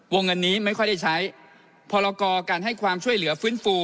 เงินนี้ไม่ค่อยได้ใช้พรกรการให้ความช่วยเหลือฟื้นฟู